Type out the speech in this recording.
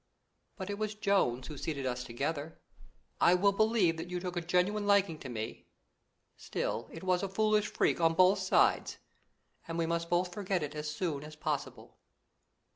But it was Jones who seated us together. I will believe that you took a genuine liking to me; still, it was a foolish freak on both sides, and we must both forget it as soon as possible."